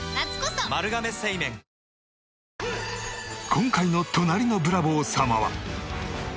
今回の『隣のブラボー様』は。